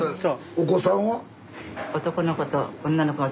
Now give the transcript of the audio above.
お子さんは？